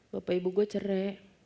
bapak ibu gue cerai